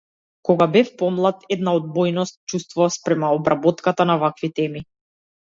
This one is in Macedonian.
Кога бев помлад една одбојност чувствував спрема обработката на вакви теми.